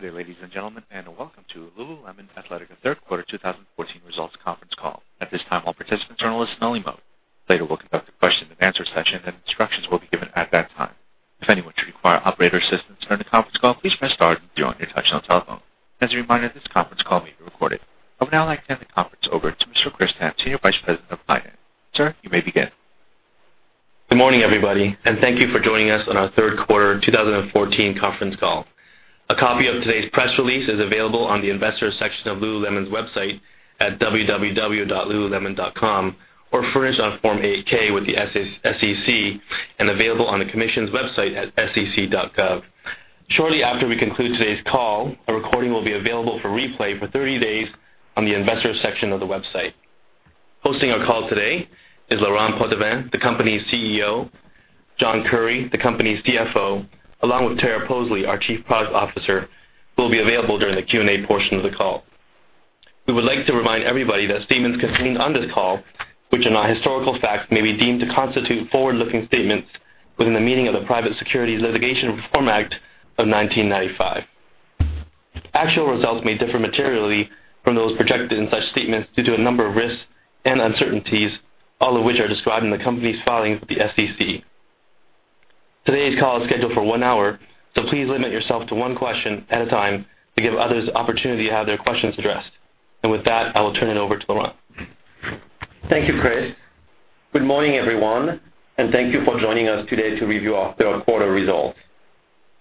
Good day, ladies and gentlemen, and welcome to Lululemon Athletica Third Quarter 2014 Results Conference Call. At this time, all participants are in a listen-only mode. Later, we'll conduct a question and answer session, and instructions will be given at that time. If anyone should require operator assistance during the conference call, please press star zero on your touchtone telephone. As a reminder, this conference call may be recorded. I would now like to hand the conference over to Mr. Chris Tan, Senior Vice President of Finance. Sir, you may begin. Good morning, everybody, and thank you for joining us on our third quarter 2014 conference call. A copy of today's press release is available on the investors section of lululemon's website at www.lululemon.com or furnished on Form 8-K with the SEC and available on the commission's website at sec.gov. Shortly after we conclude today's call, a recording will be available for replay for 30 days on the investors section of the website. Hosting our call today is Laurent Potdevin, the company's CEO, John Currie, the company's CFO, along with Tara Poseley, our Chief Product Officer, who will be available during the Q&A portion of the call. We would like to remind everybody that statements contained on this call, which are not historical facts, may be deemed to constitute forward-looking statements within the meaning of the Private Securities Litigation Reform Act of 1995. Actual results may differ materially from those projected in such statements due to a number of risks and uncertainties, all of which are described in the company's filings with the SEC. Today's call is scheduled for one hour, so please limit yourself to one question at a time to give others the opportunity to have their questions addressed. With that, I will turn it over to Laurent. Thank you, Chris. Good morning, everyone, and thank you for joining us today to review our third quarter results.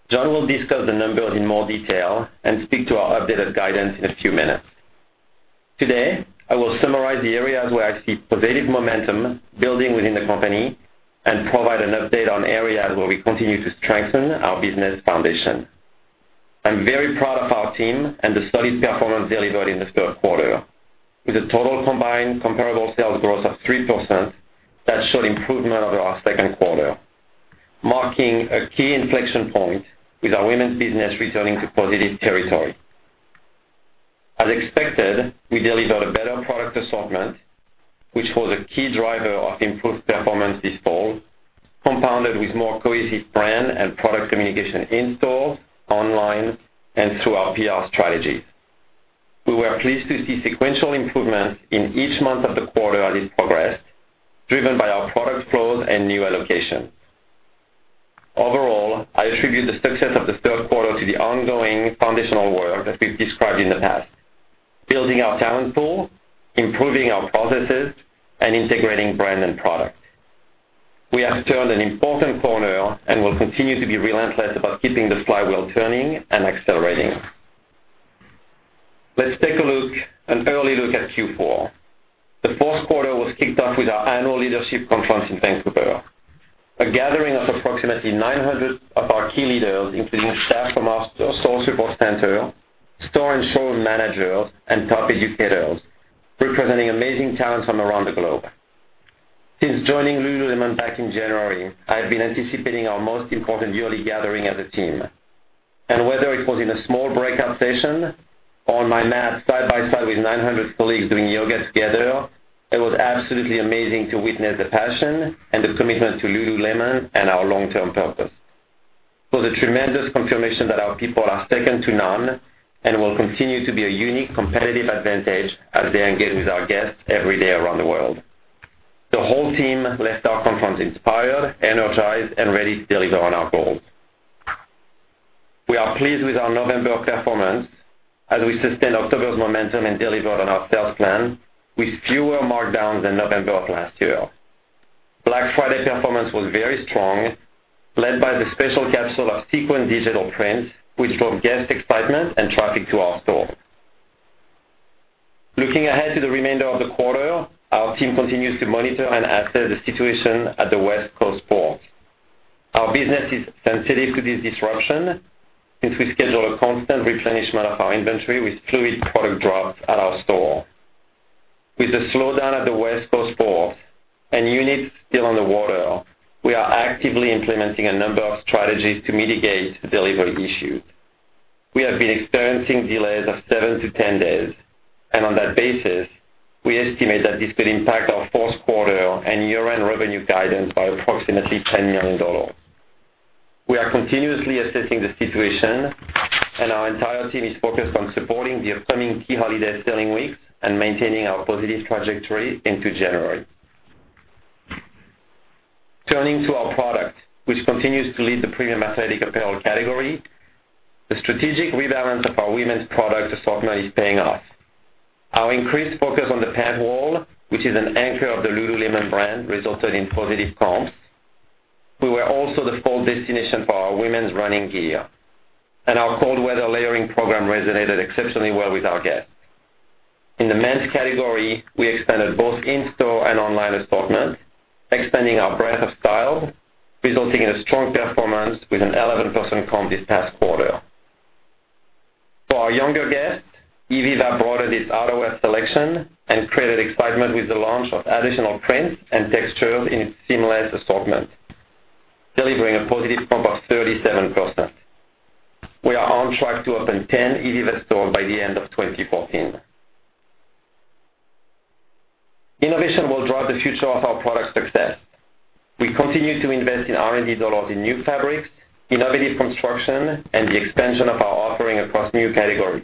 John will discuss the numbers in more detail and speak to our updated guidance in a few minutes. Today, I will summarize the areas where I see pervasive momentum building within the company and provide an update on areas where we continue to strengthen our business foundation. I'm very proud of our team and the solid performance delivered in the third quarter, with a total combined comparable sales growth of 3% that showed improvement over our second quarter, marking a key inflection point with our women's business returning to positive territory. As expected, we delivered a better product assortment, which was a key driver of improved performance this fall, compounded with more cohesive brand and product communication in-store, online, and through our PR strategies. We were pleased to see sequential improvements in each month of the quarter as it progressed, driven by our product flows and new allocations. Overall, I attribute the success of the third quarter to the ongoing foundational work that we've described in the past, building our talent pool, improving our processes, and integrating brand and product. We have turned an important corner and will continue to be relentless about keeping the flywheel turning and accelerating. Let's take an early look at Q4. The fourth quarter was kicked off with our annual leadership conference in Vancouver, a gathering of approximately 900 of our key leaders, including staff from our store support center, store and showroom managers, and top educators, representing amazing talents from around the globe. Since joining Lululemon back in January, I have been anticipating our most important yearly gathering as a team. Whether it was in a small breakout session or on my mat side by side with 900 colleagues doing yoga together, it was absolutely amazing to witness the passion and the commitment to Lululemon and our long-term purpose. For the tremendous confirmation that our people are second to none and will continue to be a unique competitive advantage as they engage with our guests every day around the world. The whole team left our conference inspired, energized, and ready to deliver on our goals. We are pleased with our November performance as we sustained October's momentum and delivered on our sales plan with fewer markdowns than November of last year. Black Friday performance was very strong, led by the special capsule of Sequins digital prints, which drove guest excitement and traffic to our stores. Looking ahead to the remainder of the quarter, our team continues to monitor and assess the situation at the West Coast ports. Our business is sensitive to this disruption since we schedule a constant replenishment of our inventory with fluid product drops at our stores. With the slowdown at the West Coast ports and units still on the water, we are actively implementing a number of strategies to mitigate the delivery issues. We have been experiencing delays of 7-10 days, and on that basis, we estimate that this could impact our fourth quarter and year-end revenue guidance by approximately $10 million. We are continuously assessing the situation, and our entire team is focused on supporting the upcoming key holiday selling weeks and maintaining our positive trajectory into January. Turning to our product, which continues to lead the premium athletic apparel category, the strategic rebalance of our women's product assortment is paying off. Our increased focus on the pant wall, which is an anchor of the Lululemon brand, resulted in positive comps. We were also the fall destination for our women's running gear, and our cold weather layering program resonated exceptionally well with our guests. In the men's category, we expanded both in-store and online assortments, expanding our breadth of style, resulting in a strong performance with an 11% comp this past quarter. For our younger guests, ivivva broadened its outerwear selection and created excitement with the launch of additional prints and textures in its seamless assortment, delivering a positive comp of 37%. We are on track to open 10 ivivva stores by the end of 2014. Innovation will drive the future of our product success. We continue to invest in R&D dollars in new fabrics, innovative construction, and the expansion of our offering across new categories.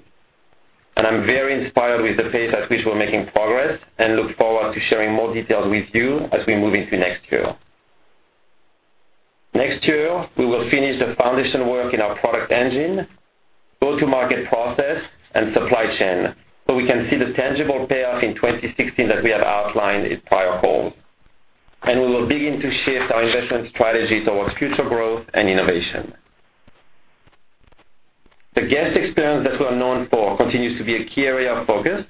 I'm very inspired with the pace at which we're making progress and look forward to sharing more details with you as we move into next year. Next year, we will finish the foundation work in our product engine, go-to-market process, and supply chain, so we can see the tangible payoff in 2016 that we have outlined in prior calls. We will begin to shift our investment strategy towards future growth and innovation. The guest experience that we're known for continues to be a key area of focus,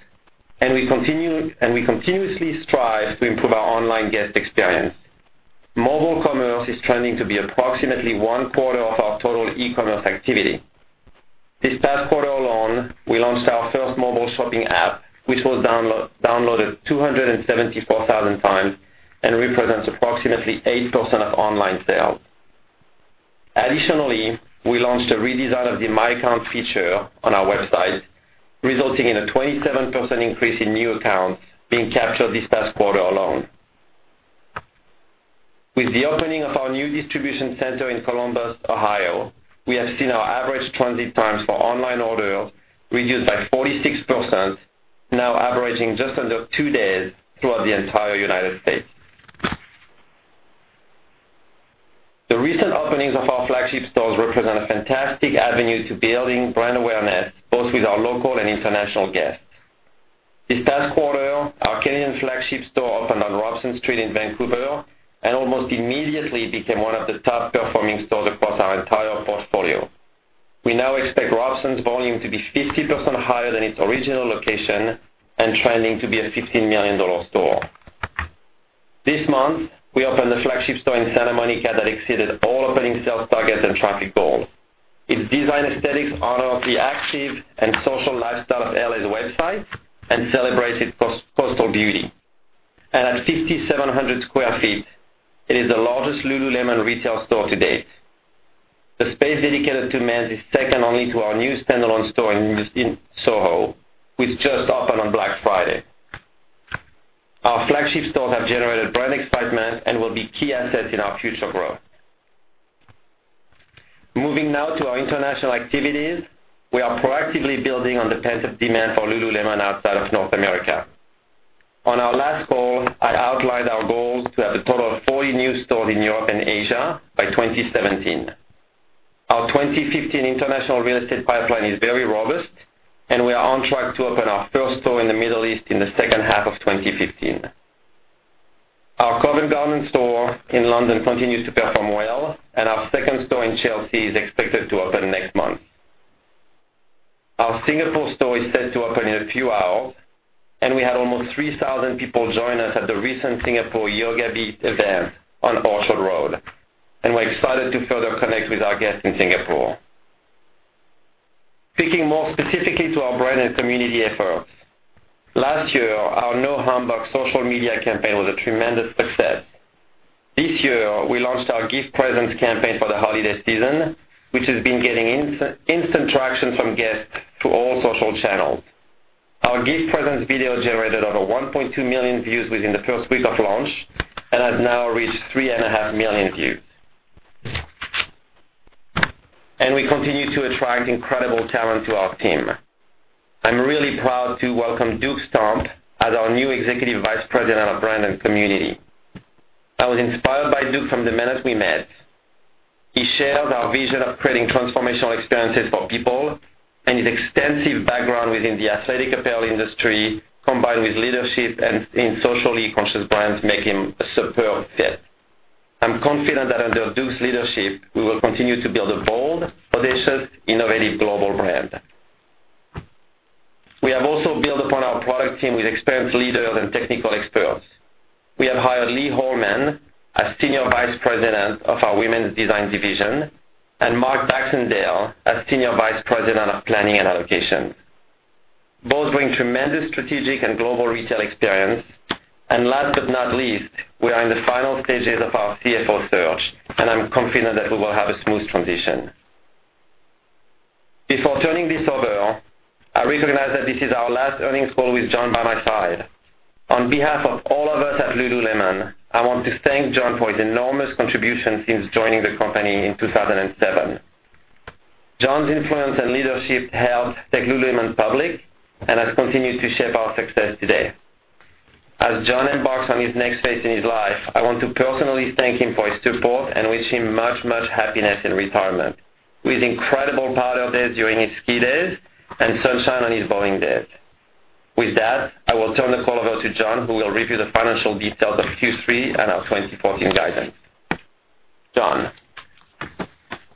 and we continuously strive to improve our online guest experience. Mobile commerce is trending to be approximately one-quarter of our total e-commerce activity. This past quarter alone, we launched our first mobile shopping app, which was downloaded 274,000 times and represents approximately 8% of online sales. Additionally, we launched a redesign of the My Account feature on our website, resulting in a 27% increase in new accounts being captured this past quarter alone. With the opening of our new distribution center in Columbus, Ohio, we have seen our average transit times for online orders reduced by 46%, now averaging just under two days throughout the entire U.S. The recent openings of our flagship stores represent a fantastic avenue to building brand awareness, both with our local and international guests. This past quarter, our Canadian flagship store opened on Robson Street in Vancouver, and almost immediately became one of the top performing stores across our entire portfolio. We now expect Robson's volume to be 50% higher than its original location and trending to be a $15 million store. This month, we opened a flagship store in Santa Monica that exceeded all opening sales targets and traffic goals. Its design aesthetics honor the active and social lifestyle of L.A.'s website and celebrates its coastal beauty. At 5,700 sq ft, it is the largest Lululemon retail store to date. The space dedicated to men's is second only to our new standalone store in Soho, which just opened on Black Friday. Our flagship stores have generated brand excitement and will be key assets in our future growth. Moving now to our international activities. We are proactively building on the pent-up demand for Lululemon outside of North America. On our last call, I outlined our goals to have a total of 40 new stores in Europe and Asia by 2017. Our 2015 international real estate pipeline is very robust, and we are on track to open our first store in the Middle East in the second half of 2015. Our Covent Garden store in London continues to perform well, and our second store in Chelsea is expected to open next month. Our Singapore store is set to open in a few hours, and we had almost 3,000 people join us at the recent Singapore Yoga Beat event on Orchard Road, and we're excited to further connect with our guests in Singapore. Speaking more specifically to our brand and community efforts. Last year, our No Humbug social media campaign was a tremendous success. This year, we launched our Give Presence campaign for the holiday season, which has been getting instant traction from guests through all social channels. Our Give Presence video generated over 1.2 million views within the first week of launch and has now reached three and a half million views. We continue to attract incredible talent to our team. I'm really proud to welcome Duke Stump as our new Executive Vice President of Brand and Community. I was inspired by Duke from the minute we met. He shares our vision of creating transformational experiences for people, and his extensive background within the athletic apparel industry, combined with leadership in socially conscious brands, make him a superb fit. I'm confident that under Duke's leadership, we will continue to build a bold, audacious, innovative global brand. We have also built upon our product team with experienced leaders and technical experts. We have hired Lee Horan as Senior Vice President of our Women's Design Division and Mark Baxendale as Senior Vice President of Planning and Allocation. Both bring tremendous strategic and global retail experience. Last but not least, we are in the final stages of our CFO search, and I'm confident that we will have a smooth transition. Before turning this over, I recognize that this is our last earnings call with John by my side. On behalf of all of us at Lululemon, I want to thank John for his enormous contribution since joining the company in 2007. John's influence and leadership helped take Lululemon public and has continued to shape our success today. As John embarks on his next phase in his life, I want to personally thank him for his support and wish him much happiness in retirement, with incredible powder days during his ski days and sunshine on his bowling days. With that, I will turn the call over to John, who will review the financial details of Q3 and our 2014 guidance. John?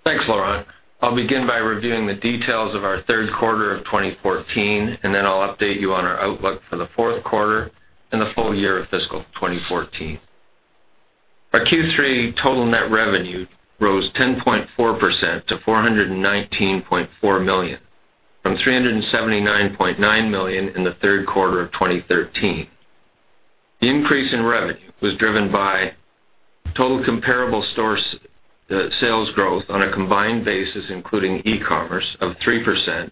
Thanks, Laurent. I'll begin by reviewing the details of our third quarter of 2014. Then I'll update you on our outlook for the fourth quarter and the full year of fiscal 2014. Our Q3 total net revenue rose 10.4% to $419.4 million, from $379.9 million in the third quarter of 2013. The increase in revenue was driven by Total comparable store sales growth on a combined basis, including e-commerce, of 3%,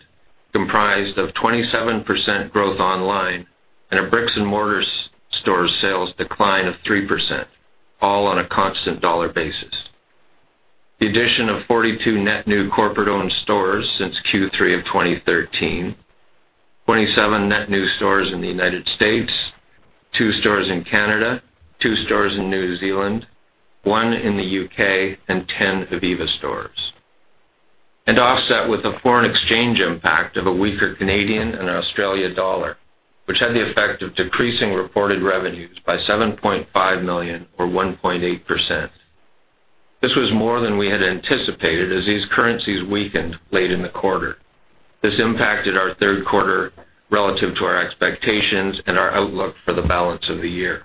comprised of 27% growth online and a bricks and mortar stores sales decline of 3%, all on a constant dollar basis. The addition of 42 net new corporate-owned stores since Q3 of 2013, 27 net new stores in the U.S., two stores in Canada, two stores in New Zealand, one in the U.K., 10 ivivva stores. Offset with a foreign exchange impact of a weaker Canadian and Australian dollar, which had the effect of decreasing reported revenues by $7.5 million or 1.8%. This was more than we had anticipated as these currencies weakened late in the quarter. This impacted our third quarter relative to our expectations and our outlook for the balance of the year.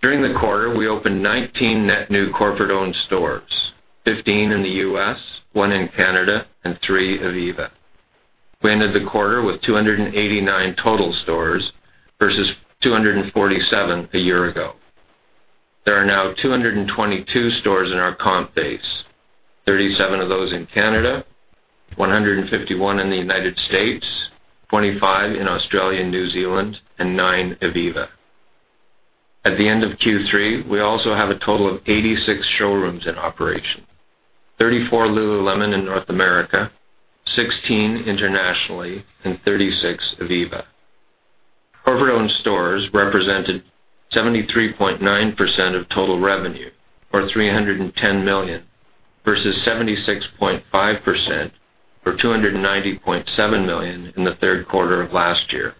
During the quarter, we opened 19 net new corporate-owned stores, 15 in the U.S., one in Canada, and three ivivva. We ended the quarter with 289 total stores versus 247 a year ago. There are now 222 stores in our comp base, 37 of those in Canada, 151 in the United States, 25 in Australia and New Zealand, and nine ivivva. At the end of Q3, we also have a total of 86 showrooms in operation, 34 Lululemon in North America, 16 internationally, and 36 ivivva. Corporate-owned stores represented 73.9% of total revenue, or $310 million, versus 76.5%, or $290.7 million, in the third quarter of last year.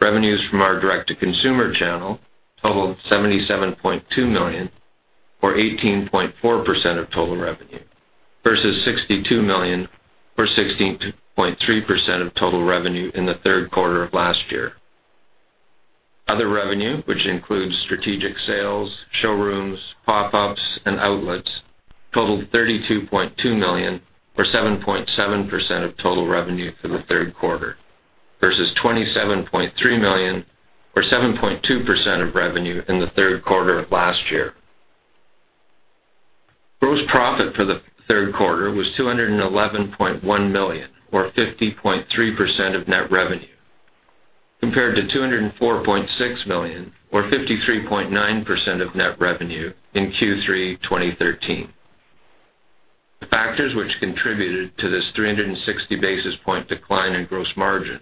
Revenues from our direct-to-consumer channel totaled $77.2 million or 18.4% of total revenue versus $62 million or 16.3% of total revenue in the third quarter of last year. Other revenue, which includes strategic sales, showrooms, pop-ups, and outlets, totaled $32.2 million or 7.7% of total revenue for the third quarter versus $27.3 million or 7.2% of revenue in the third quarter of last year. Gross profit for the third quarter was $211.1 million or 50.3% of net revenue compared to $204.6 million or 53.9% of net revenue in Q3 2013. The factors which contributed to this 360 basis point decline in gross margin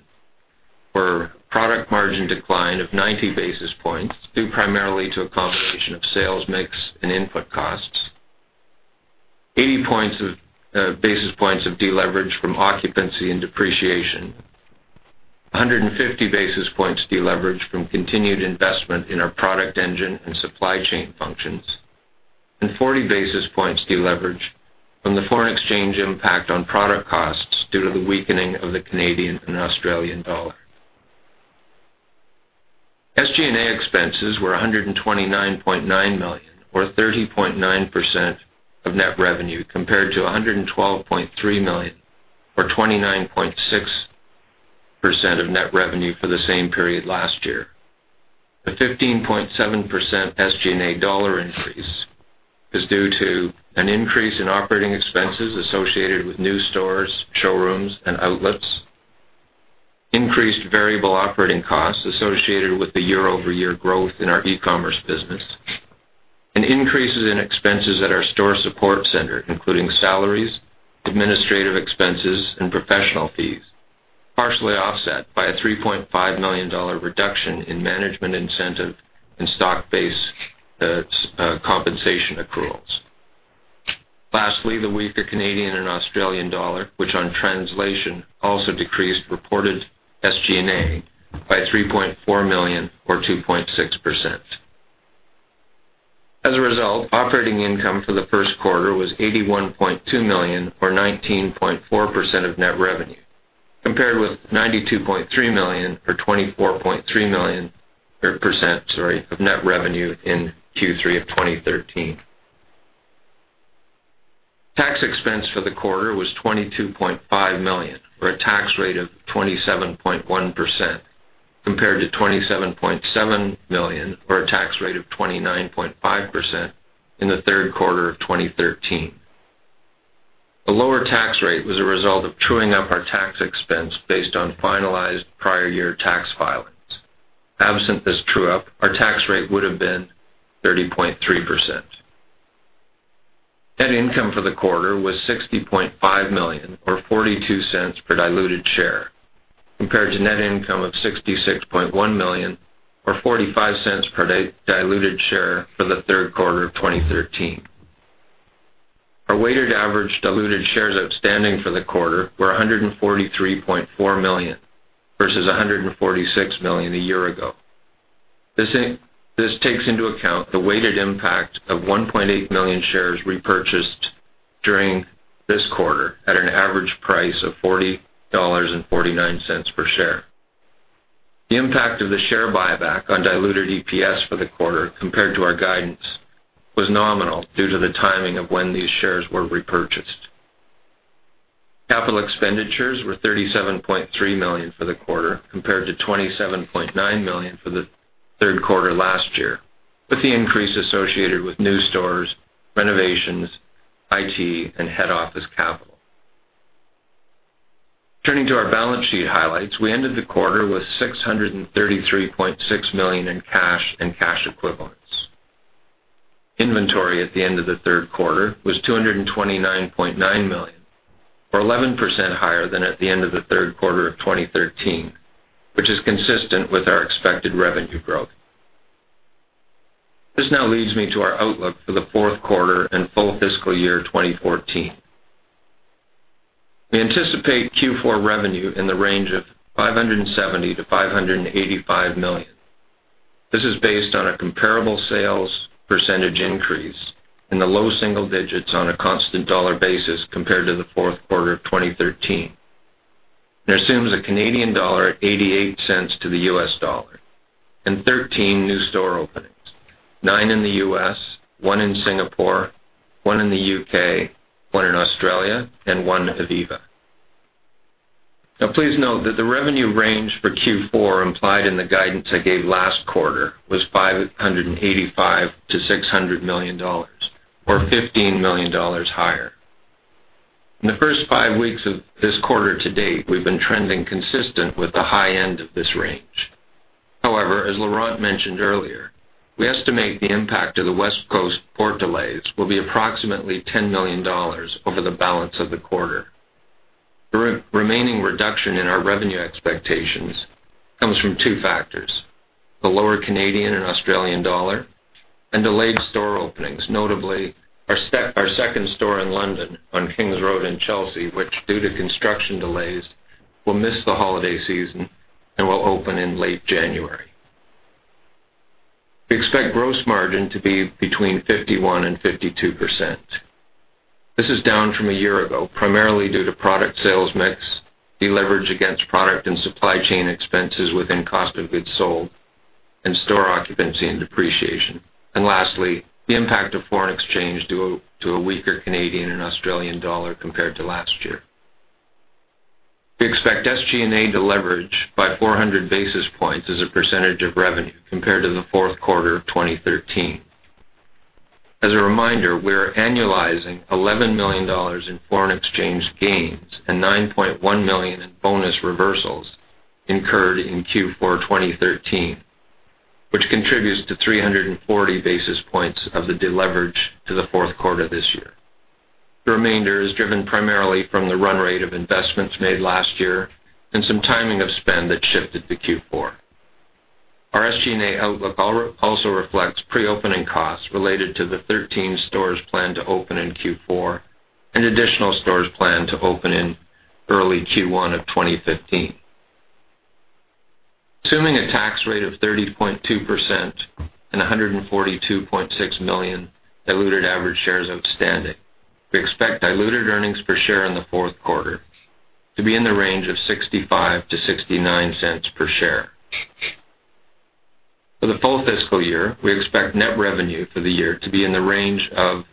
were product margin decline of 90 basis points, due primarily to a combination of sales mix and input costs, 80 basis points of deleverage from occupancy and depreciation, 150 basis points deleverage from continued investment in our product engine and supply chain functions, and 40 basis points deleverage from the foreign exchange impact on product costs due to the weakening of the Canadian and Australian dollar. SG&A expenses were $129.9 million or 30.9% of net revenue, compared to $112.3 million or 29.6% of net revenue for the same period last year. The 15.7% SG&A dollar increase is due to an increase in operating expenses associated with new stores, showrooms, and outlets, increased variable operating costs associated with the year-over-year growth in our e-commerce business, and increases in expenses at our store support center, including salaries, administrative expenses, and professional fees, partially offset by a $3.5 million reduction in management incentive and stock-based compensation accruals. Lastly, the weaker Canadian and Australian dollar, which on translation also decreased reported SG&A by $3.4 million or 2.6%. As a result, operating income for the first quarter was $81.2 million or 19.4% of net revenue, compared with $92.3 million or 24.3% of net revenue in Q3 of 2013. Tax expense for the quarter was $22.5 million or a tax rate of 27.1%, compared to $27.7 million or a tax rate of 29.5% in the third quarter of 2013. The lower tax rate was a result of truing up our tax expense based on finalized prior year tax filings. Absent this true-up, our tax rate would have been 30.3%. Net income for the quarter was $60.5 million or $0.42 per diluted share, compared to net income of $66.1 million or $0.45 per diluted share for the third quarter of 2013. Our weighted average diluted shares outstanding for the quarter were 143.4 million, versus 146 million a year ago. This takes into account the weighted impact of 1.8 million shares repurchased during this quarter at an average price of $40.49 per share. The impact of the share buyback on diluted EPS for the quarter compared to our guidance was nominal due to the timing of when these shares were repurchased. Capital expenditures were $37.3 million for the quarter, compared to $27.9 million for the third quarter last year, with the increase associated with new stores, renovations, IT, and head office capital. Turning to our balance sheet highlights, we ended the quarter with $633.6 million in cash and cash equivalents. Inventory at the end of the third quarter was $229.9 million, or 11% higher than at the end of the third quarter of 2013, which is consistent with our expected revenue growth. This now leads me to our outlook for the fourth quarter and full fiscal year 2014. We anticipate Q4 revenue in the range of $570 million-$585 million. This is based on a comparable sales percentage increase in the low single digits on a constant dollar basis compared to the fourth quarter of 2013, assumes a Canadian dollar at $0.88 to the US dollar, and 13 new store openings, nine in the U.S., one in Singapore, one in the U.K., one in Australia, and one ivivva. Please note that the revenue range for Q4 implied in the guidance I gave last quarter was $585 million-$600 million, or $15 million higher. In the first five weeks of this quarter to date, we've been trending consistent with the high end of this range. However, as Laurent mentioned earlier, we estimate the impact of the West Coast port delays will be approximately $10 million over the balance of the quarter. The remaining reduction in our revenue expectations comes from two factors, the lower Canadian and Australian dollar, and delayed store openings. Notably, our second store in London on King's Road in Chelsea, which due to construction delays, will miss the holiday season and will open in late January. We expect gross margin to be between 51%-52%. This is down from a year ago, primarily due to product sales mix, deleverage against product and supply chain expenses within cost of goods sold, and store occupancy and depreciation, lastly, the impact of foreign exchange due to a weaker Canadian and Australian dollar compared to last year. We expect SG&A to leverage by 400 basis points as a percentage of revenue compared to the fourth quarter of 2013. As a reminder, we are annualizing $11 million in foreign exchange gains and $9.1 million in bonus reversals incurred in Q4 2013, which contributes to 340 basis points of the deleverage to the fourth quarter this year. The remainder is driven primarily from the run rate of investments made last year and some timing of spend that shifted to Q4. Our SG&A outlook also reflects pre-opening costs related to the 13 stores planned to open in Q4 and additional stores planned to open in early Q1 of 2015. Assuming a tax rate of 30.2% and 142.6 million diluted average shares outstanding, we expect diluted earnings per share in the fourth quarter to be in the range of $0.65 to $0.69 per share. For the full fiscal year, we expect net revenue for the year to be in the range of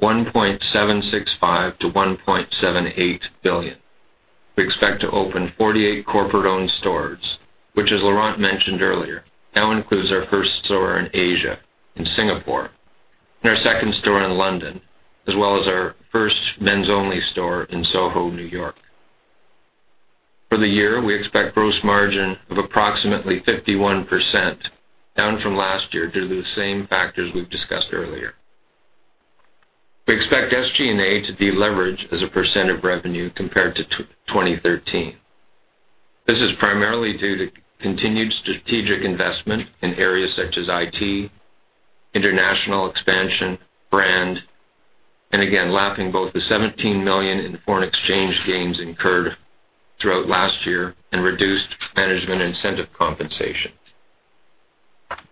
$1.765 billion-$1.78 billion. We expect to open 48 corporate-owned stores, which as Laurent mentioned earlier, now includes our first store in Asia, in Singapore, and our second store in London, as well as our first men's only store in Soho, New York. For the year, we expect gross margin of approximately 51%, down from last year due to the same factors we've discussed earlier. We expect SG&A to deleverage as a percent of revenue compared to 2013. This is primarily due to continued strategic investment in areas such as IT, international expansion, brand, and again, lapping both the $17 million in foreign exchange gains incurred throughout last year and reduced management incentive compensation.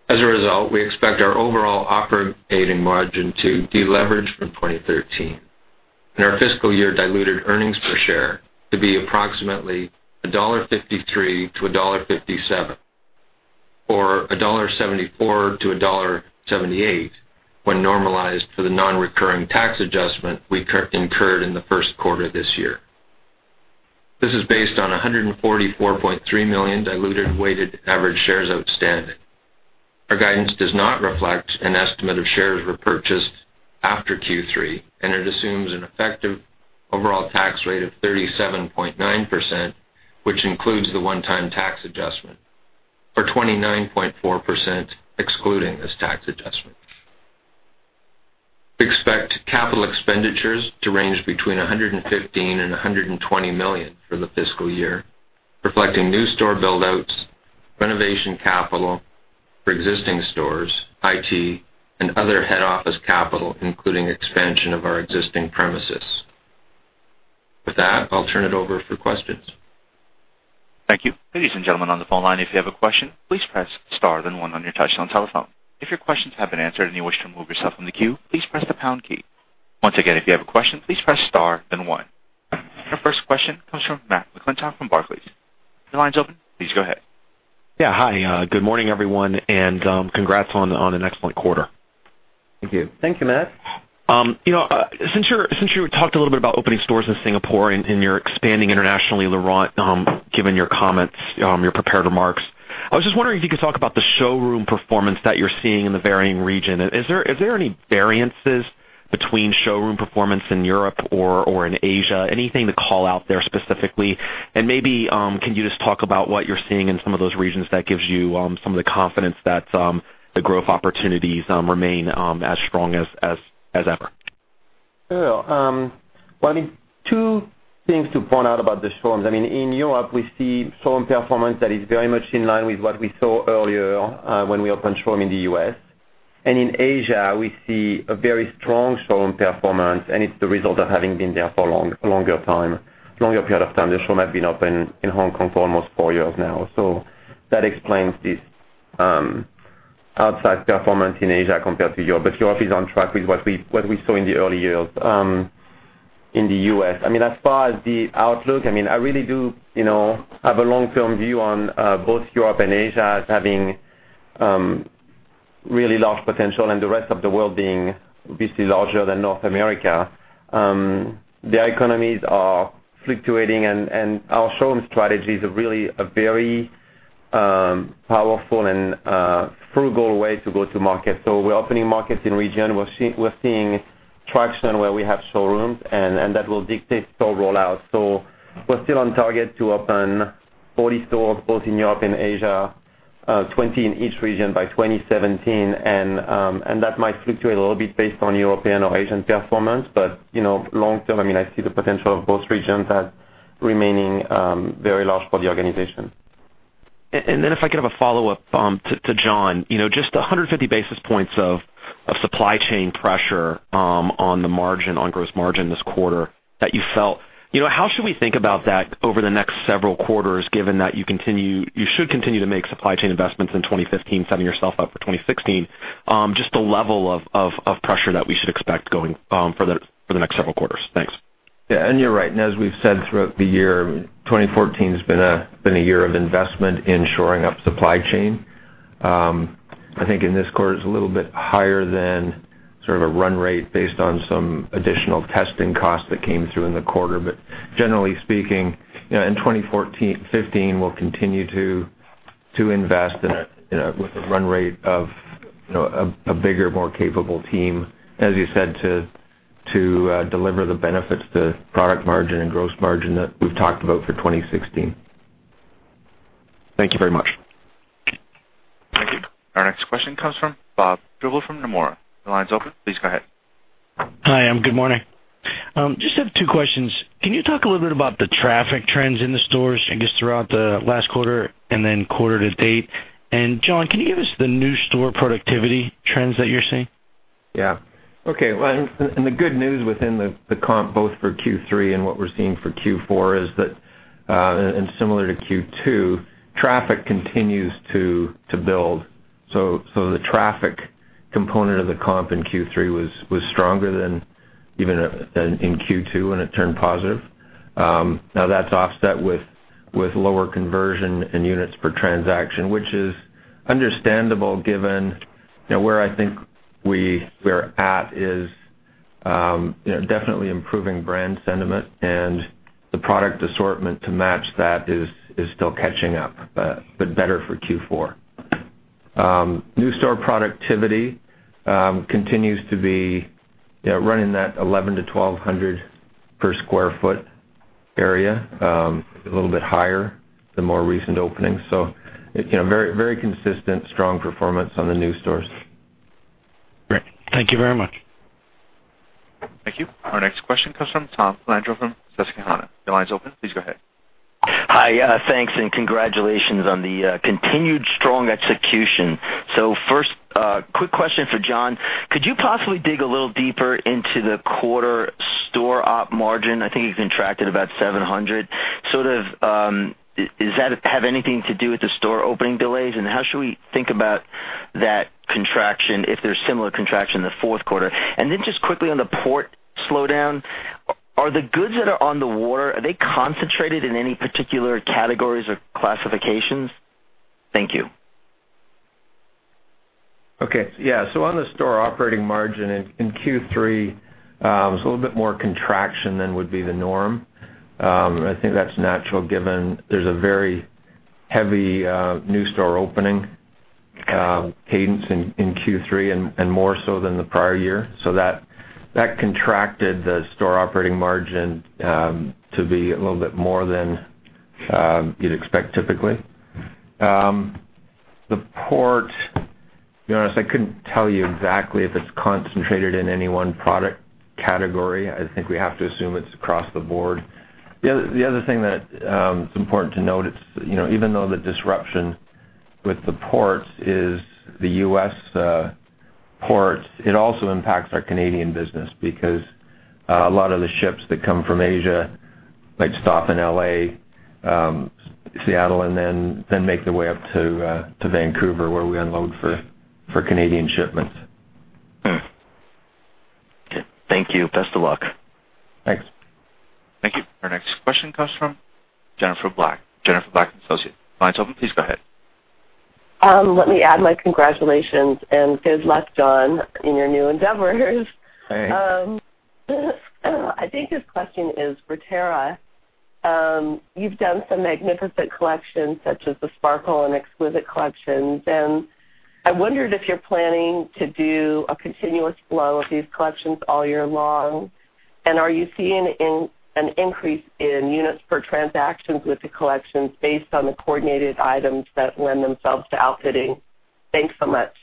As a result, we expect our overall operating margin to deleverage from 2013 and our fiscal year diluted earnings per share to be approximately $1.53-$1.57, or $1.74-$1.78 when normalized for the non-recurring tax adjustment we incurred in the first quarter this year. This is based on 144.3 million diluted weighted average shares outstanding. Our guidance does not reflect an estimate of shares repurchased after Q3, and it assumes an effective overall tax rate of 37.9%, which includes the one-time tax adjustment, or 29.4% excluding this tax adjustment. We expect capital expenditures to range between $115 million and $120 million for the fiscal year, reflecting new store build-outs, renovation capital for existing stores, IT, and other head office capital, including expansion of our existing premises. With that, I'll turn it over for questions. Thank you. Ladies and gentlemen on the phone line, if you have a question, please press star then one on your touchtone telephone. If your questions have been answered and you wish to remove yourself from the queue, please press the pound key. Once again, if you have a question, please press star then one. Our first question comes from Matthew McClintock from Barclays. Your line is open. Please go ahead. Yeah. Hi. Good morning, everyone, and congrats on an excellent quarter. Thank you. Thank you, Matt. Since you talked a little bit about opening stores in Singapore and you're expanding internationally, Laurent, given your comments, your prepared remarks, I was just wondering if you could talk about the showroom performance that you're seeing in the varying region. Is there any variances between showroom performance in Europe or in Asia? Anything to call out there specifically? Maybe, can you just talk about what you're seeing in some of those regions that gives you some of the confidence that the growth opportunities remain as strong as ever? Sure. Well, two things to point out about the showrooms. In Europe, we see showroom performance that is very much in line with what we saw earlier when we opened showrooms in the U.S. In Asia, we see a very strong showroom performance, and it's the result of having been there for a longer period of time. The showrooms have been open in Hong Kong for almost four years now. That explains this outsized performance in Asia compared to Europe. Europe is on track with what we saw in the early years in the U.S. As far as the outlook, I really do have a long-term view on both Europe and Asia as having really large potential and the rest of the world being obviously larger than North America. The economies are fluctuating, and our showroom strategy is really a very powerful and frugal way to go to market. We're opening markets in region. We're seeing traction where we have showrooms, and that will dictate store rollout. We're still on target to open 40 stores both in Europe and Asia, 20 in each region by 2017. That might fluctuate a little bit based on European or Asian performance. Long term, I see the potential of both regions as remaining very large for the organization. If I could have a follow-up to John. Just 150 basis points of supply chain pressure on the gross margin this quarter that you felt. How should we think about that over the next several quarters, given that you should continue to make supply chain investments in 2015, setting yourself up for 2016, just the level of pressure that we should expect going for the next several quarters. Thanks. Yeah. You're right. As we've said throughout the year, 2014 has been a year of investment in shoring up supply chain. I think in this quarter, it's a little bit higher than sort of a run rate based on some additional testing costs that came through in the quarter. Generally speaking, in 2015, we'll continue to invest with a run rate of a bigger, more capable team, as you said, to deliver the benefits to product margin and gross margin that we've talked about for 2016. Thank you very much. Thank you. Our next question comes from Bob Drbul from Nomura. Your line's open. Please go ahead. Hi, good morning. Just have two questions. Can you talk a little bit about the traffic trends in the stores, I guess, throughout the last quarter and then quarter to date? John, can you give us the new store productivity trends that you're seeing? Yeah. Okay. The good news within the comp, both for Q3 and what we're seeing for Q4, and similar to Q2, traffic continues to build. The traffic component of the comp in Q3 was stronger than even in Q2 when it turned positive. Now, that's offset with lower conversion in units per transaction, which is understandable given where I think we're at is definitely improving brand sentiment and the product assortment to match that is still catching up, but better for Q4. New store productivity continues to be running that 1,100 to 1,200 per square foot area, a little bit higher the more recent openings. Very consistent, strong performance on the new stores. Great. Thank you very much. Thank you. Our next question comes from Tom Filandro from Susquehanna. Your line's open. Please go ahead. Hi. Thanks, and congratulations on the continued strong execution. First, quick question for John. Could you possibly dig a little deeper into the quarter store op margin? I think it's contracted about 700. Does that have anything to do with the store opening delays, and how should we think about that contraction if there's similar contraction in the fourth quarter? Just quickly on the port slowdown, are the goods that are on the water, are they concentrated in any particular categories or classifications? Thank you. Okay. Yeah. On the store operating margin in Q3, it was a little bit more contraction than would be the norm. I think that's natural given there's a very heavy new store opening cadence in Q3 and more so than the prior year. That contracted the store operating margin to be a little bit more than you'd expect typically. The port, to be honest, I couldn't tell you exactly if it's concentrated in any one product category. I think we have to assume it's across the board. The other thing that's important to note, even though the disruption with the ports is the U.S. ports, it also impacts our Canadian business because a lot of the ships that come from Asia like to stop in L.A., Seattle, and then make their way up to Vancouver where we unload for Canadian shipments. Okay. Thank you. Best of luck. Thanks. Thank you. Our next question comes from Jennifer Black. Jennifer Black & Associates. Line's open, please go ahead. Let me add my congratulations and good luck, John, in your new endeavors. Thanks. I think this question is for Tara. You've done some magnificent collections such as the Sparkle and Exquisite collections. I wondered if you're planning to do a continuous flow of these collections all year long. Are you seeing an increase in units per transactions with the collections based on the coordinated items that lend themselves to outfitting? Thanks so much.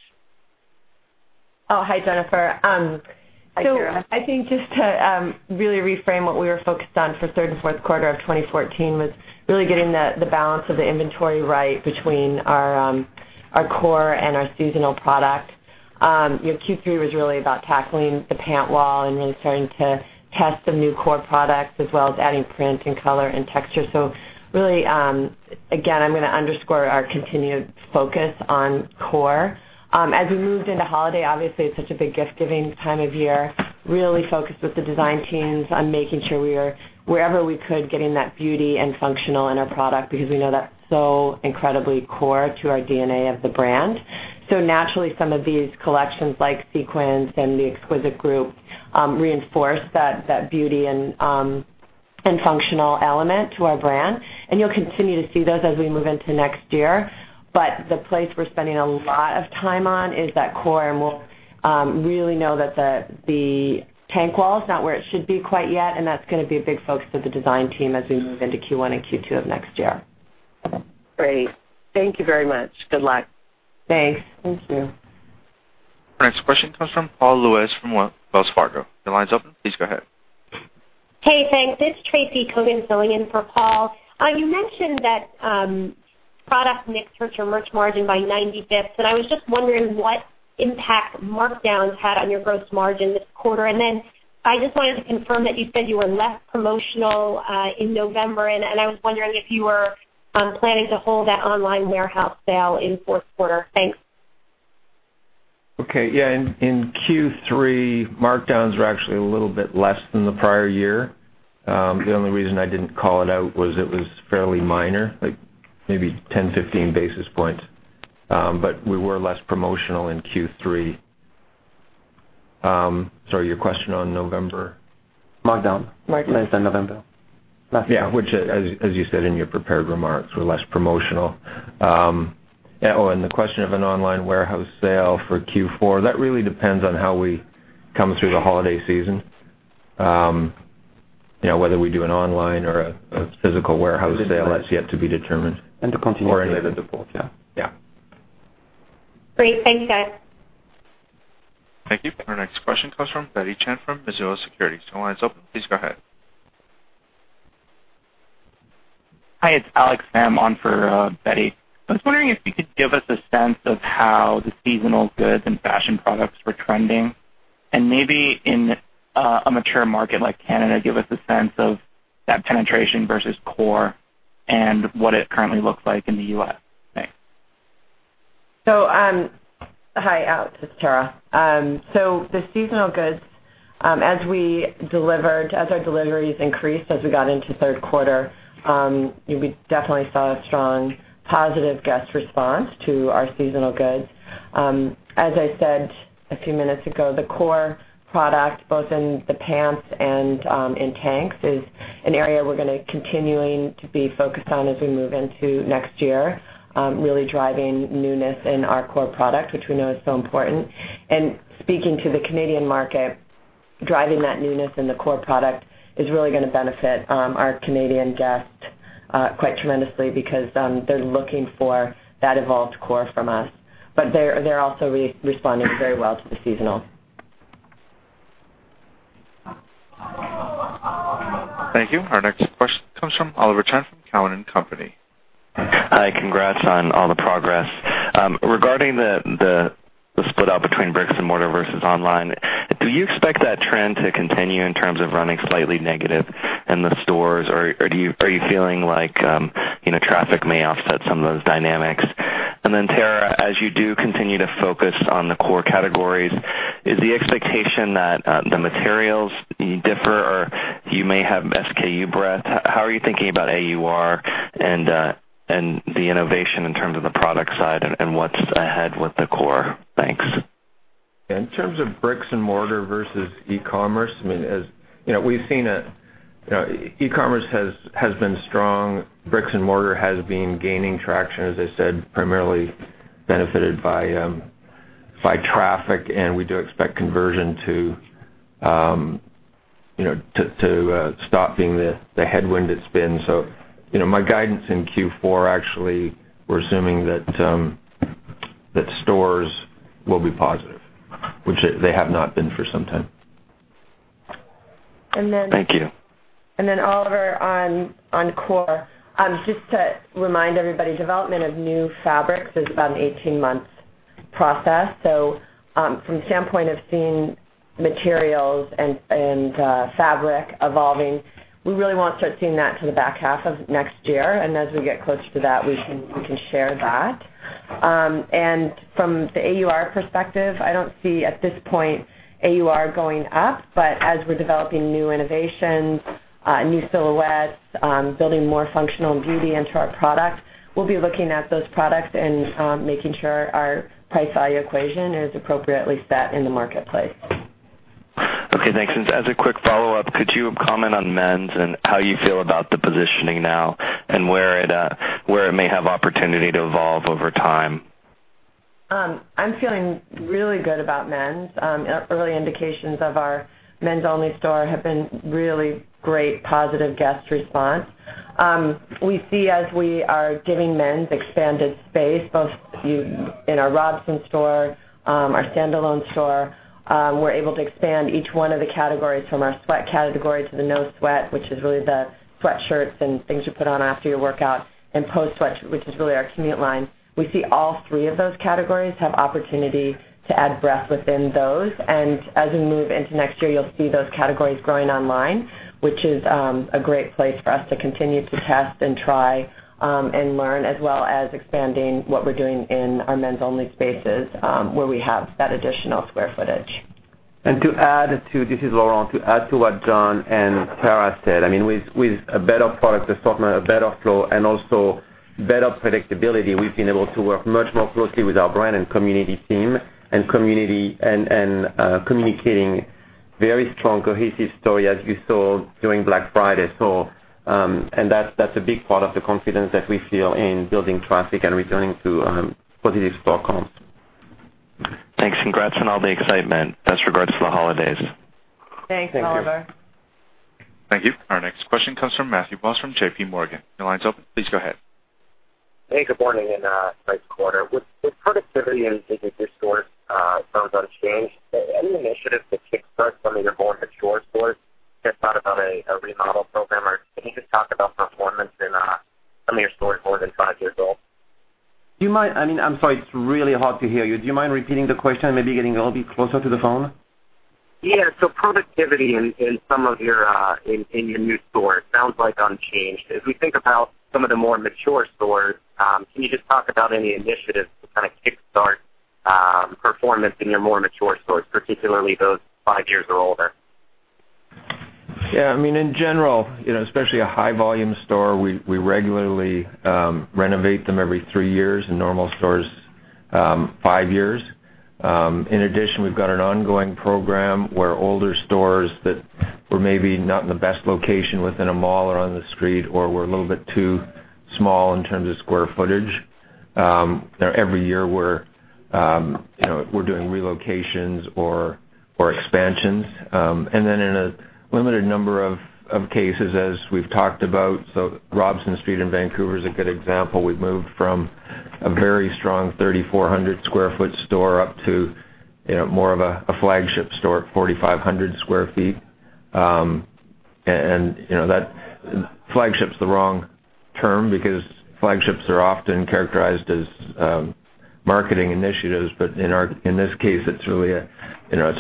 Hi, Jennifer. Hi, Tara. I think just to really reframe what we were focused on for third and fourth quarter of 2014 was really getting the balance of the inventory right between our core and our seasonal product. Q3 was really about tackling the pant wall and really starting to test some new core products as well as adding print and color and texture. Really, again, I'm going to underscore our continued focus on core. As we moved into holiday, obviously, it's such a big gift-giving time of year, really focused with the design teams on making sure we are, wherever we could, getting that beauty and functional in our product because we know that's so incredibly core to our DNA of the brand. Naturally, some of these collections, like Sequins and the Exquisite group, reinforce that beauty and functional element to our brand. You'll continue to see those as we move into next year. The place we're spending a lot of time on is that core, and we really know that the tank wall is not where it should be quite yet, and that's going to be a big focus of the design team as we move into Q1 and Q2 of next year. Great. Thank you very much. Good luck. Thanks. Thank you. Our next question comes from Paul Lejuez from Wells Fargo. Your line's open. Please go ahead. Hey, thanks. It's Tracy Kogan filling in for Paul. You mentioned that product mix hurt your merch margin by 90 basis points, I was just wondering what impact markdowns had on your gross margin this quarter. I just wanted to confirm that you said you were less promotional in November, I was wondering if you were planning to hold that online warehouse sale in fourth quarter. Thanks. Okay. Yeah, in Q3, markdowns were actually a little bit less than the prior year. The only reason I didn't call it out was it was fairly minor, like maybe 10, 15 basis points. We were less promotional in Q3. Sorry, your question on November. Markdown. Markdown. You said November. Yeah. Which, as you said in your prepared remarks, we're less promotional. The question of an online warehouse sale for Q4, that really depends on how we come through the holiday season. Whether we do an online or a physical warehouse sale, that's yet to be determined. To continue- End of the fourth, yeah. Great. Thanks, guys. Thank you. Our next question comes from Betty Chen from Mizuho Securities. Your line is open. Please go ahead. Hi, it's Alex Sam on for Betty. I was wondering if you could give us a sense of how the seasonal goods and fashion products were trending, and maybe in a mature market like Canada, give us a sense of that penetration versus core and what it currently looks like in the U.S. Thanks. Hi, Alex. It's Tara. The seasonal goods, as our deliveries increased as we got into third quarter, we definitely saw a strong positive guest response to our seasonal goods. As I said a few minutes ago, the core product, both in the pants and in tanks, is an area we're going to continuing to be focused on as we move into next year. Really driving newness in our core product, which we know is so important. Speaking to the Canadian market, driving that newness in the core product is really going to benefit our Canadian guests quite tremendously because they're looking for that evolved core from us. They're also responding very well to the seasonal. Thank you. Our next question comes from Oliver Chen from Cowen and Company. Hi, congrats on all the progress. Regarding the split out between bricks and mortar versus online, do you expect that trend to continue in terms of running slightly negative in the stores, or are you feeling like traffic may offset some of those dynamics? Then Tara, as you do continue to focus on the core categories, is the expectation that the materials differ, or you may have SKU breadth? How are you thinking about AUR and the innovation in terms of the product side and what's ahead with the core? Thanks. In terms of bricks and mortar versus e-commerce, e-commerce has been strong. Bricks and mortar has been gaining traction, as I said, primarily benefited by traffic, we do expect conversion to stop being the headwind it's been. My guidance in Q4, actually, we're assuming that stores will be positive, which they have not been for some time. Thank you. Oliver, on core. Just to remind everybody, development of new fabrics is about an 18-month process. From standpoint of seeing materials and fabric evolving, we really won't start seeing that till the back half of next year. As we get closer to that, we can share that. From the AUR perspective, I don't see at this point AUR going up. As we're developing new innovations, new silhouettes, building more functional beauty into our product, we'll be looking at those products and making sure our price value equation is appropriately set in the marketplace. Okay, thanks. As a quick follow-up, could you comment on men's and how you feel about the positioning now and where it may have opportunity to evolve over time? I'm feeling really good about men's. Early indications of our men's only store have been really great, positive guest response. We see as we are giving men's expanded space, both in our Robson store, our standalone store, we're able to expand each one of the categories from our sweat category to the no sweat, which is really the sweatshirts and things you put on after your workout and post sweat, which is really our commute line. We see all three of those categories have opportunity to add breadth within those. As we move into next year, you'll see those categories growing online, which is a great place for us to continue to test and try and learn, as well as expanding what we're doing in our men's only spaces, where we have that additional square footage. This is Laurent, to add to what John and Tara said. With a better product assortment, a better flow, and also better predictability, we've been able to work much more closely with our brand and community team and communicating very strong, cohesive story as you saw during Black Friday. That's a big part of the confidence that we feel in building traffic and returning to positive store comps. Thanks. Congrats on all the excitement. Best regards for the holidays. Thanks, Oliver. Thank you. Thank you. Our next question comes from Matthew Boss from JPMorgan. Your line's open. Please go ahead. Hey, good morning, and great quarter. With productivity in your stores unchanged, any initiatives to kickstart some of your more mature stores? Just thought about a remodel program, or can you just talk about performance in some of your stores more than five years old? I'm sorry. It's really hard to hear you. Do you mind repeating the question, maybe getting a little bit closer to the phone? Yeah. Productivity in your new stores sounds like unchanged. As we think about some of the more mature stores, can you just talk about any initiatives to kind of kickstart performance in your more mature stores, particularly those five years or older? Yeah. In general, especially a high-volume store, we regularly renovate them every three years. In normal stores, five years. In addition, we've got an ongoing program where older stores that were maybe not in the best location within a mall or on the street or were a little bit too small in terms of square footage. Every year, we're doing relocations or expansions. In a limited number of cases, as we've talked about, Robson Street in Vancouver is a good example. We've moved from a very strong 3,400 sq ft store up to more of a flagship store at 4,500 sq ft. Flagship's the wrong term because flagships are often characterized as marketing initiatives. In this case, it's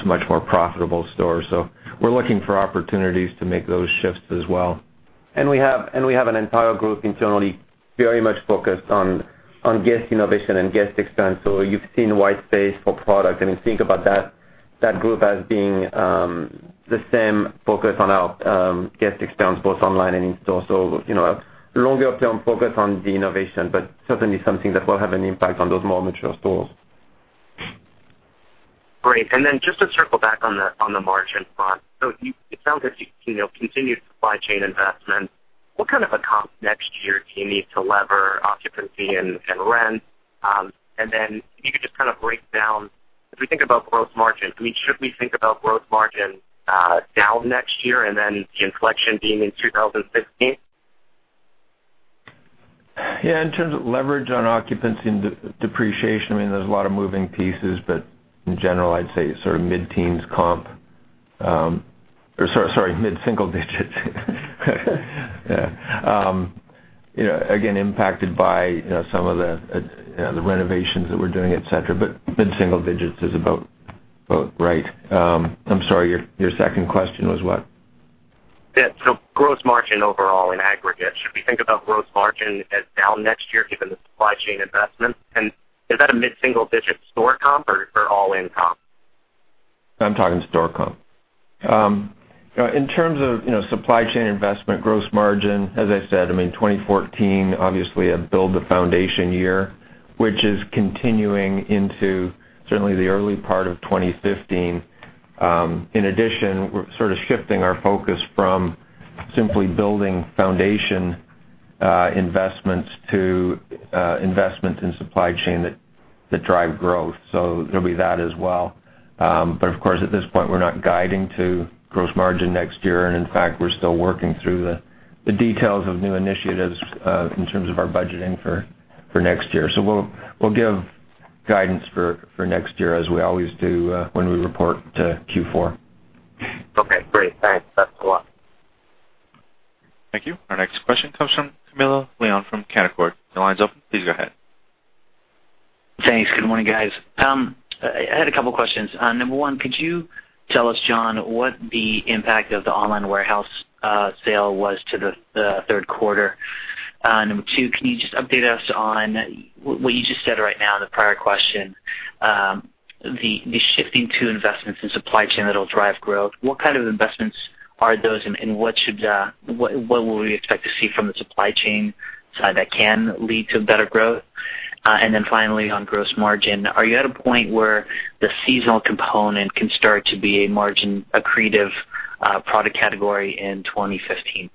a much more profitable store. We're looking for opportunities to make those shifts as well. We have an entire group internally very much focused on guest innovation and guest experience. You've seen white space for product, and think about that group as being the same focus on our guest experience, both online and in-store. A longer-term focus on the innovation, but certainly something that will have an impact on those more mature stores. Great. Just to circle back on the margin front. It sounds like continued supply chain investment. What kind of a comp next year do you need to lever occupancy and rent? Can you just kind of break down, if we think about gross margin, should we think about gross margin down next year and then the inflection being in 2015? Yeah. In terms of leverage on occupancy and depreciation, there's a lot of moving pieces, but in general, I'd say sort of mid-single digits. Again, impacted by some of the renovations that we're doing, et cetera. Mid-single digits is about right. I'm sorry, your second question was what? Yeah. Gross margin overall in aggregate. Should we think about gross margin as down next year given the supply chain investments? Is that a mid-single digit store comp or all-in comp? I'm talking store comp. In terms of supply chain investment, gross margin, as I said, 2014 obviously a build the foundation year, which is continuing into certainly the early part of 2015. In addition, we're sort of shifting our focus from simply building foundation investments to investments in supply chain that drive growth. There'll be that as well. Of course, at this point, we're not guiding to gross margin next year. In fact, we're still working through the details of new initiatives in terms of our budgeting for next year. We'll give guidance for next year as we always do when we report Q4. Okay, great. Thanks. Best of luck. Thank you. Our next question comes from Camilo Lyon from Canaccord. Your line's open. Please go ahead. Thanks. Good morning, guys. I had a couple questions. Number 1, could you tell us, John, what the impact of the online warehouse sale was to the third quarter? Number 2, can you just update us on what you just said right now in the prior question, the shifting to investments in supply chain that'll drive growth. What kind of investments are those, and what will we expect to see from the supply chain side that can lead to better growth? Finally, on gross margin, are you at a point where the seasonal component can start to be a margin-accretive product category in 2015?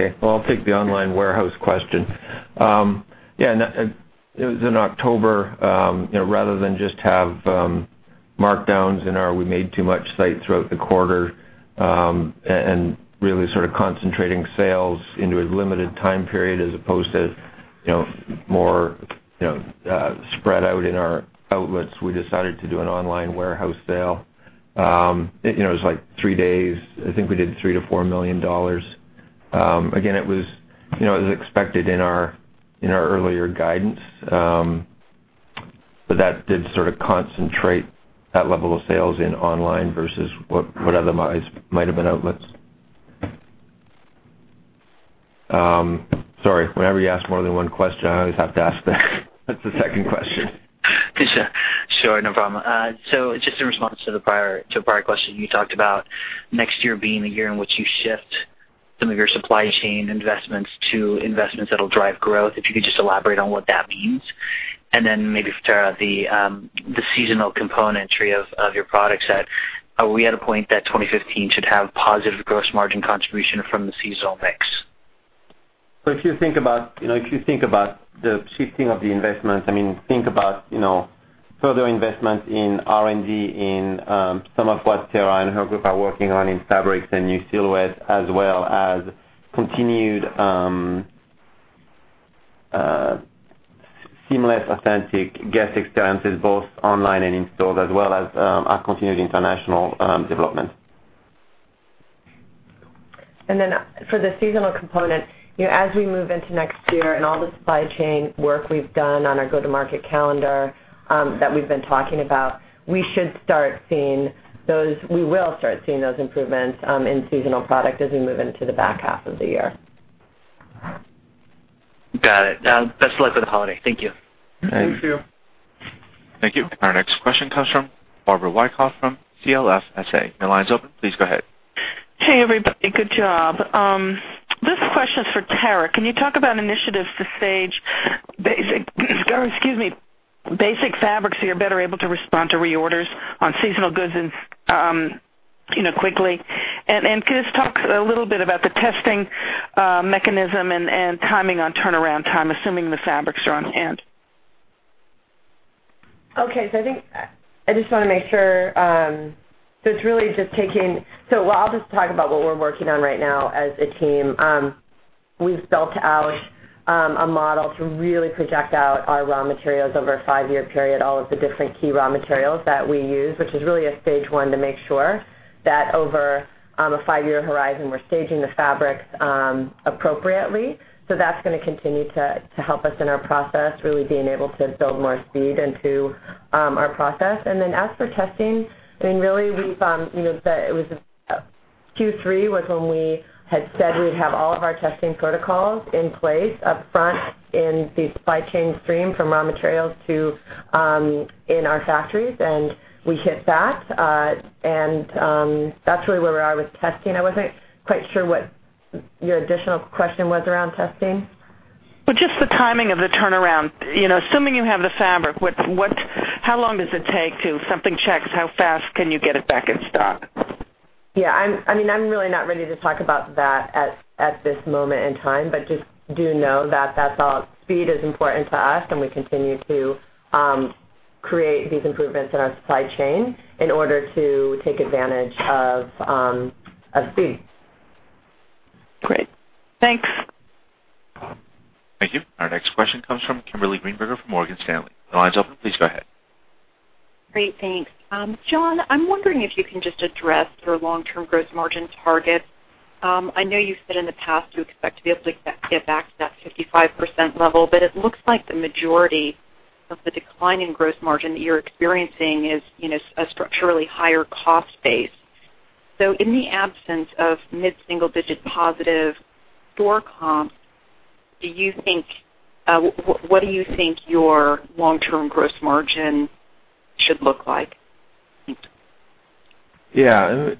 Okay. Well, I'll take the online warehouse question. Yeah. It was in October, rather than just have markdowns in our "We Made Too Much" sites throughout the quarter, really sort of concentrating sales into a limited time period as opposed to more spread out in our outlets, we decided to do an online warehouse sale. It was like three days. I think we did 3 million-4 million dollars. Again, it was expected in our earlier guidance. That did sort of concentrate that level of sales in online versus what otherwise might've been outlets. Sorry. Whenever you ask more than one question, I always have to ask the second question. Sure. No problem. Just in response to the prior question, you talked about next year being a year in which you shift some of your supply chain investments to investments that'll drive growth. If you could just elaborate on what that means. Maybe for Tara, the seasonal componentry of your product set. Are we at a point that 2015 should have positive gross margin contribution from the seasonal mix? If you think about the shifting of the investments, think about further investments in R&D, in some of what Tara and her group are working on in fabrics and new silhouettes, as well as continued seamless, authentic guest experiences, both online and in stores, as well as our continued international development. For the seasonal component, as we move into next year and all the supply chain work we've done on our go-to-market calendar that we've been talking about, we will start seeing those improvements in seasonal product as we move into the back half of the year. Got it. Best of luck with the holiday. Thank you. Thank you. Thank you. Thank you. Our next question comes from Barbara Wyckoff from CLSA. Your line is open. Please go ahead. Hey, everybody. Good job. This question's for Tara. Can you talk about initiatives to stage basic fabrics that you're better able to respond to reorders on seasonal goods and quickly? Could you just talk a little bit about the testing mechanism and timing on turnaround time, assuming the fabrics are on hand? Okay. I'll just talk about what we're working on right now as a team. We've built out a model to really project out our raw materials over a five-year period, all of the different key raw materials that we use, which is really a stage 1 to make sure that over a five-year horizon, we're staging the fabrics appropriately. That's going to continue to help us in our process, really being able to build more speed into our process. Then as for testing, Q3 was when we had said we'd have all of our testing protocols in place up front in the supply chain stream from raw materials in our factories, and we hit that. That's really where we are with testing. I wasn't quite sure what your additional question was around testing. Well, just the timing of the turnaround. Assuming you have the fabric, how long does it take till something checks? How fast can you get it back in stock? I'm really not ready to talk about that at this moment in time, but just do know that speed is important to us, and we continue to create these improvements in our supply chain in order to take advantage of speed. Great. Thanks. Thank you. Our next question comes from Kimberly Greenberger from Morgan Stanley. Your line's open. Please go ahead. Great. Thanks. John, I'm wondering if you can just address your long-term gross margin target. I know you've said in the past you expect to be able to get back to that 55% level, but it looks like the majority of the decline in gross margin that you're experiencing is a structurally higher cost base. In the absence of mid-single-digit positive store comps, what do you think your long-term gross margin should look like? Yeah.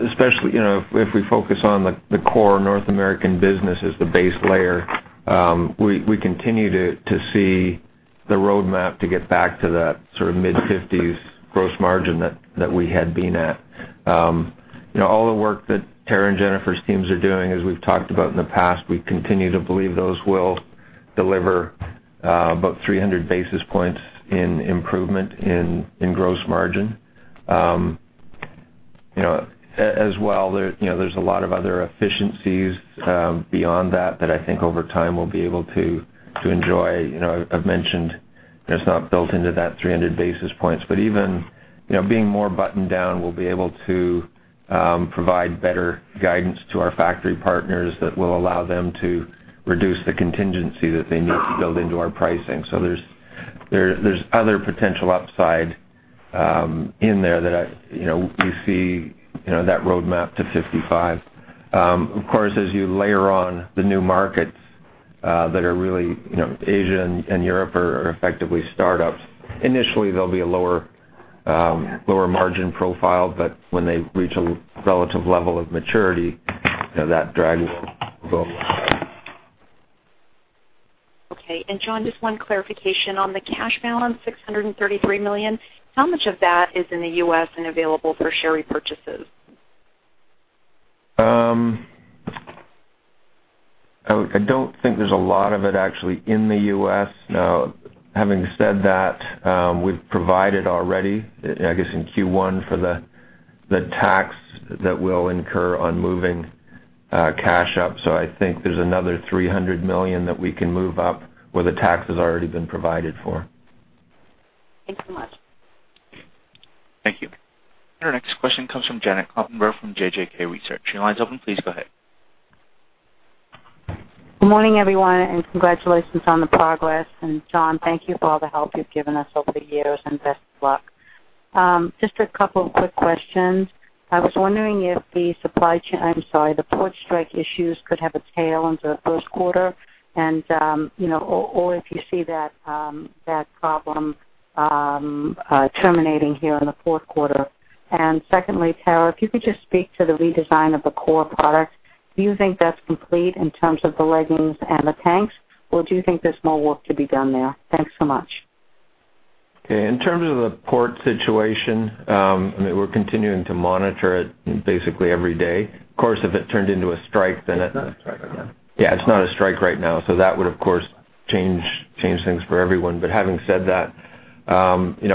Especially if we focus on the core North American business as the base layer, we continue to see the roadmap to get back to that sort of mid-50s gross margin that we had been at. All the work that Tara Poseley and Jennifer Black's teams are doing, as we have talked about in the past, we continue to believe those will deliver about 300 basis points in improvement in gross margin. There is a lot of other efficiencies beyond that I think over time we will be able to enjoy. I have mentioned that it is not built into that 300 basis points, but even being more buttoned down, we will be able to provide better guidance to our factory partners that will allow them to reduce the contingency that they need to build into our pricing. There is other potential upside in there that you see that roadmap to 55. Of course, as you layer on the new markets that are Asia and Europe are effectively startups. Initially, they will be a lower margin profile, when they reach a relative level of maturity, that drags up. Okay. John Currie, just one clarification on the cash balance, $633 million. How much of that is in the U.S. and available for share repurchases? I do not think there is a lot of it actually in the U.S. Now, having said that, we have provided already, I guess, in Q1 for the tax that we will incur on moving cash up. I think there is another $300 million that we can move up where the tax has already been provided for. Thanks so much. Thank you. Our next question comes from Janet Kloppenburg from JJK Research. Your line's open. Please go ahead. Good morning, everyone. Congratulations on the progress. John, thank you for all the help you've given us over the years, and best of luck. Just a couple of quick questions. I was wondering if the supply chain, I'm sorry, the port strike issues could have a tail into the first quarter and or if you see that problem terminating here in the fourth quarter. Secondly, Tara, if you could just speak to the redesign of the core product. Do you think that's complete in terms of the leggings and the tanks, or do you think there's more work to be done there? Thanks so much. Okay. In terms of the port situation, we're continuing to monitor it basically every day. If it turned into a strike. It's not a strike right now. Yeah, it's not a strike right now, that would of course change things for everyone. Having said that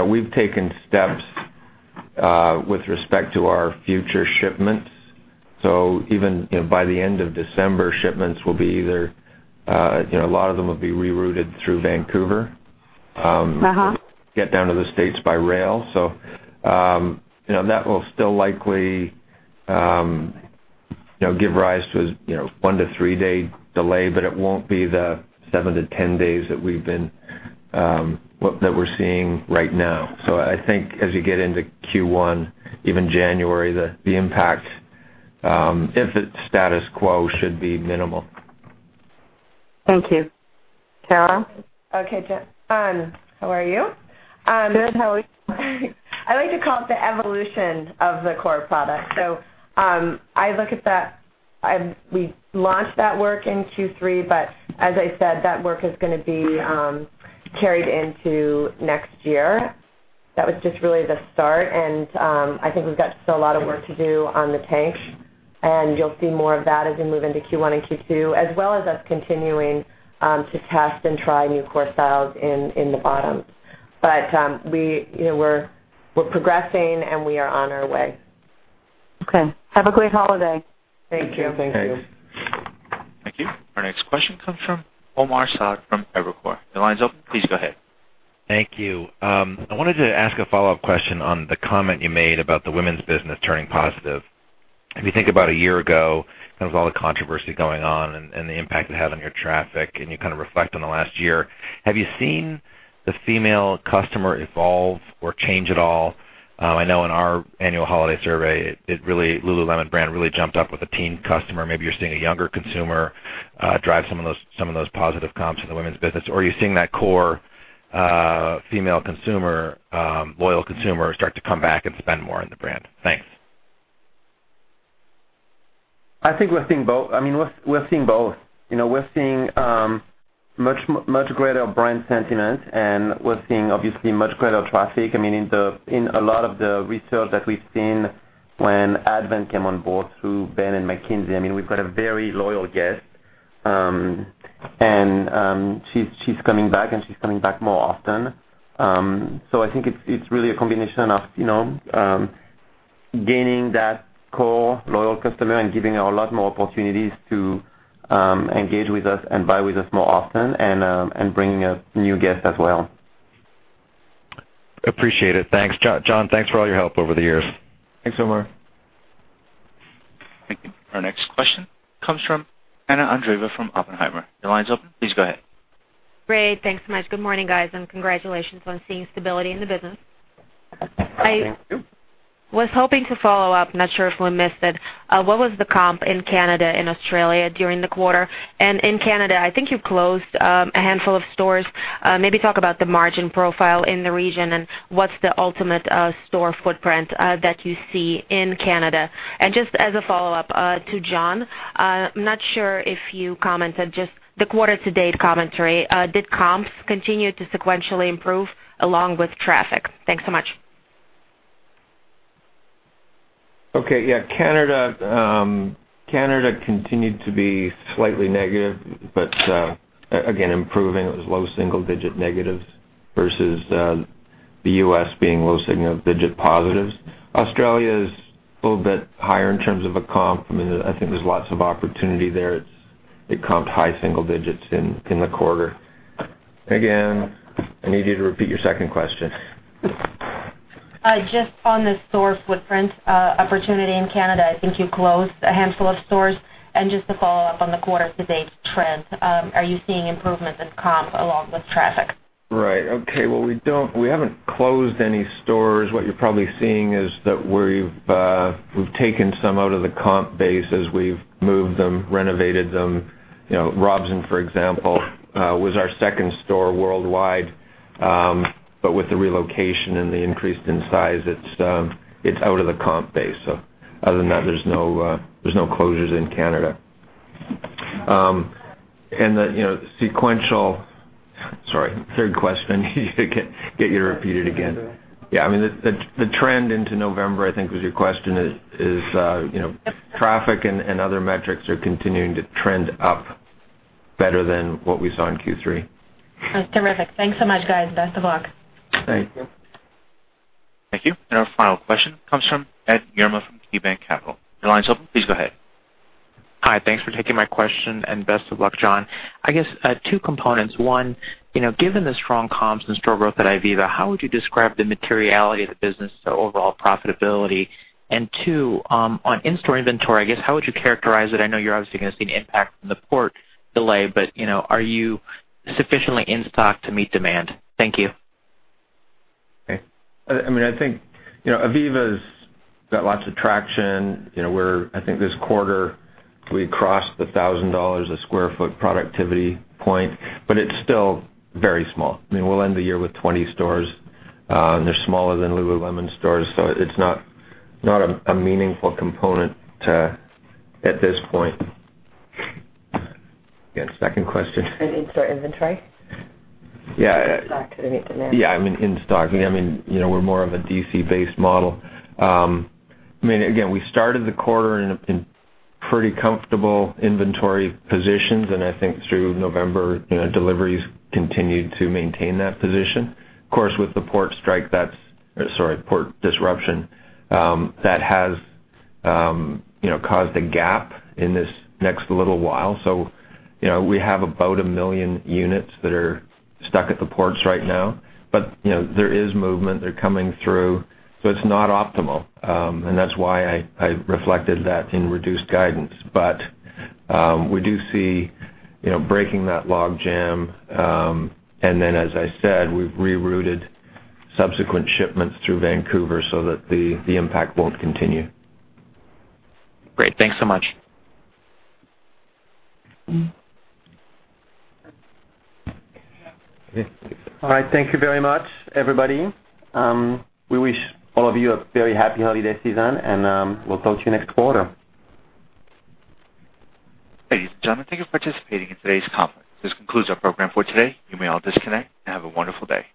we've taken steps with respect to our future shipments. Even by the end of December, shipments will be a lot of them will be rerouted through Vancouver. Get down to the States by rail. That will still likely give rise to a one-to-three-day delay, but it won't be the seven to 10 days that we're seeing right now. I think as you get into Q1, even January, the impact, if it's status quo, should be minimal. Thank you. Tara? Okay, Jan. How are you? Good. How are you? I like to call it the evolution of the core product. I look at that. We launched that work in Q3. As I said, that work is going to be carried into next year. That was just really the start. I think we've got still a lot of work to do on the tanks. You'll see more of that as we move into Q1 and Q2, as well as us continuing to test and try new core styles in the bottoms. We're progressing, and we are on our way. Okay. Have a great holiday. Thank you. Thank you. Thank you. Our next question comes from Omar Saad from Evercore. Your line's open. Please go ahead. Thank you. I wanted to ask a follow-up question on the comment you made about the women's business turning positive. If you think about a year ago, kind of all the controversy going on and the impact it had on your traffic, and you kind of reflect on the last year, have you seen the female customer evolve or change at all? I know in our annual holiday survey, the Lululemon brand really jumped up with a teen customer. Maybe you're seeing a younger consumer drive some of those positive comps in the women's business, or are you seeing that core female consumer, loyal consumer, start to come back and spend more on the brand? Thanks. I think we're seeing both. We're seeing much greater brand sentiment, and we're seeing obviously much greater traffic. In a lot of the research that we've seen when Advent came on board through Bain and McKinsey, we've got a very loyal guest. She's coming back, and she's coming back more often. I think it's really a combination of gaining that core loyal customer and giving her a lot more opportunities to engage with us and buy with us more often and bringing a new guest as well. Appreciate it. Thanks. John, thanks for all your help over the years. Thanks, Omar. Thank you. Our next question comes from Anna Andreeva from Oppenheimer. Your line is open. Please go ahead. Great. Thanks so much. Good morning, guys. Congratulations on seeing stability in the business. Thank you. I was hoping to follow up, not sure if we missed it. What was the comp in Canada and Australia during the quarter? In Canada, I think you closed a handful of stores. Maybe talk about the margin profile in the region and what's the ultimate store footprint that you see in Canada. Just as a follow-up to John, I'm not sure if you commented, just the quarter to date commentary. Did comps continue to sequentially improve along with traffic? Thanks so much. Okay. Yeah. Canada continued to be slightly negative, but again, improving. It was low single digit negatives versus the U.S. being low single digit positives. Australia is a little bit higher in terms of a comp. I think there's lots of opportunity there. It comped high single digits in the quarter. Again, I need you to repeat your second question. Just on the store footprint opportunity in Canada, I think you closed a handful of stores. Just to follow up on the quarter-to-date trends, are you seeing improvements in comp along with traffic? Right. Okay. We haven't closed any stores. What you're probably seeing is that we've taken some out of the comp base as we've moved them, renovated them. Robson, for example, was our second store worldwide. With the relocation and the increase in size, it's out of the comp base. Other than that, there's no closures in Canada. The sequential Sorry, third question. I need to get you to repeat it again. Yeah. The trend into November, I think was your question, is traffic and other metrics are continuing to trend up better than what we saw in Q3. That's terrific. Thanks so much, guys. Best of luck. Thanks. Thank you. Our final question comes from Ed Yruma from KeyBanc Capital Markets. Your line is open. Please go ahead. Hi. Thanks for taking my question, and best of luck, John. I guess two components. One, given the strong comps and store growth at ivivva, how would you describe the materiality of the business to overall profitability? Two, on in-store inventory, I guess how would you characterize it? I know you're obviously going to see an impact from the port delay, but are you sufficiently in stock to meet demand? Thank you. Okay. I think ivivva's got lots of traction. I think this quarter, we crossed the $1,000 a square foot productivity point, but it's still very small. We'll end the year with 20 stores. They're smaller than Lululemon stores, so it's not a meaningful component at this point. Again, second question? On in-store inventory. Yeah. In stock, to meet demand. In stock. We're more of a D.C.-based model. We started the quarter in pretty comfortable inventory positions, and I think through November, deliveries continued to maintain that position. Of course, with the port disruption, that has caused a gap in this next little while. We have about 1 million units that are stuck at the ports right now. There is movement. They're coming through. It's not optimal, and that's why I reflected that in reduced guidance. We do see breaking that log jam, as I said, we've rerouted subsequent shipments through Vancouver so that the impact won't continue. Great. Thanks so much. Yeah. All right. Thank you very much, everybody. We wish all of you a very happy holiday season, and we'll talk to you next quarter. Ladies and gentlemen, thank you for participating in today's conference. This concludes our program for today. You may all disconnect, and have a wonderful day.